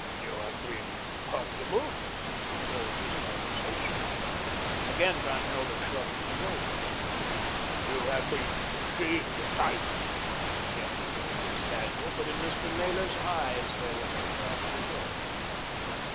"You have been comfortable?" The tone was conversational. Again Van Helder shrugged his shoulders. "You have been seeing the sights?" Again the tone was casual; but in Mr. Naylor's eyes there was a crafty look.